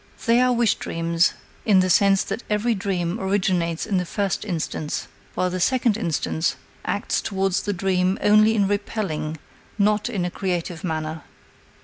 They are wish dreams in the sense that every dream originates in the first instance, while the second instance acts towards the dream only in repelling, not in a creative manner.